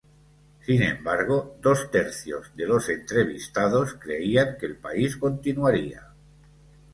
Sin embargo, dos tercios de los entrevistados creían que el país continuaría.